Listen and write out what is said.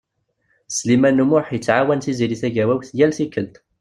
Sliman U Muḥ yettɛawan Tiziri Tagawawt yal tikkelt.